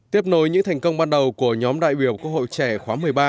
tiếp nối những thành công ban đầu của nhóm đại biểu quốc hội trẻ khóa một mươi ba